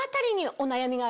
お悩みは。